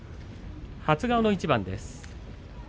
初顔の一番です。